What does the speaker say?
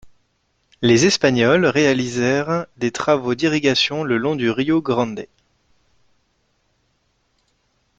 Les Espagnols réalisèrent des travaux d’irrigation le long du Rio Grande.